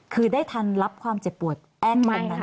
คือได้ทันรับความเจ็บปวดแอ้นตรงนั้น